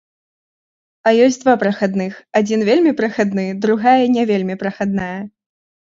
А ёсць два прахадных, адзін вельмі прахадны, другая не вельмі прахадная.